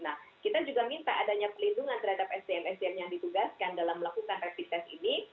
nah kita juga minta adanya pelindungan terhadap sdm sdm yang ditugaskan dalam melakukan rapid test ini